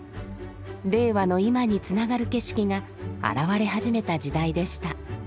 令和の今につながる景色が現れ始めた時代でした。